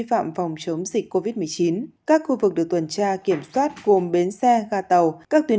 phạm phòng chống dịch covid một mươi chín các khu vực được tuần tra kiểm soát gồm bến xe ga tàu các tuyến